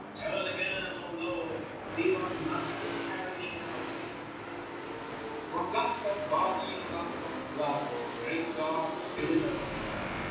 Turn again, O Lord, leave us not to perish in our sin! From lust of body and lust of blood _Great God, deliver us!